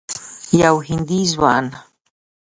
یو هندي ځوان